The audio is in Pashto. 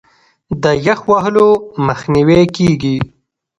د یخ وهلو مخنیوی کیږي.